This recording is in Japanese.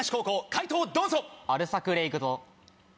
解答をどうぞ。